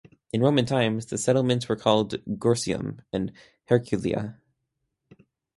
In Roman times the settlements were called "Gorsium" and "Herculia".